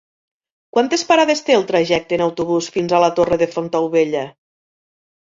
Quantes parades té el trajecte en autobús fins a la Torre de Fontaubella?